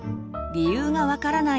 理由が分からない